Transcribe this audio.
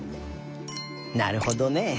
なるほどね。